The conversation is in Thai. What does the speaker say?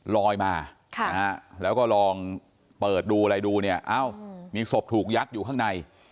ลอยมาแล้วก็ลองเปิดดูอะไรดูเนี่ยเอ้ามีศพถูกยัดอยู่ข้างใน